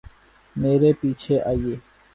میرے پیچھے آییے